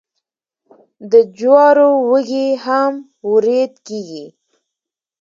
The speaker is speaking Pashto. د جوارو وږي هم وریت کیږي.